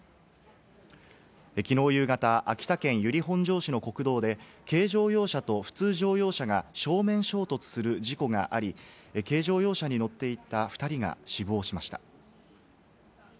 きのう夕方、秋田県由利本荘市の国道で軽乗用車と普通乗用車が正面衝突する事故があり、軽乗用車に乗っていた２人が死亡しました。